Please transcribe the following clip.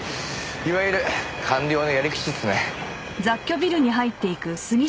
いわゆる官僚のやり口ですね。